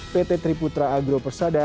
pt triputra agro persada